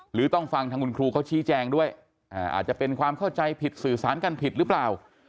หรือต้องฟังทางคุณครูเขาชี้แจงด้วยอาจจะเป็นความเข้าใจผิดสื่อสารกันผิดหรือเปล่า